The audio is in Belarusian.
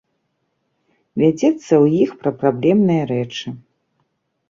Вядзецца ў іх пра праблемныя рэчы.